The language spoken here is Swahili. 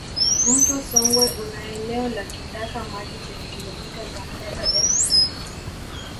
Mto Songwe una eneo la kidaka maji chenye kilomita za mraba elfu nne